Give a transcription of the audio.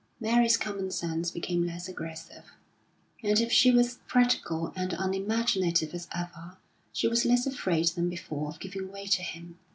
Mary's common sense became less aggressive, and if she was practical and unimaginative as ever, she was less afraid than before of giving way to him.